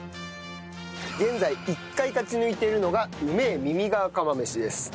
現在１回勝ち抜いているのが梅ぇミミガー釜飯です。